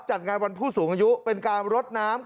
จัดงานวันผู้สูงอายุเป็นการรดน้ำ